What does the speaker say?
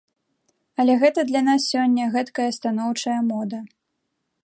Але гэта для нас сёння гэткая станоўчая мода.